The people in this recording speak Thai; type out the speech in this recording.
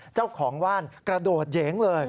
เจ้าของบ้านกระโดดเยงเลย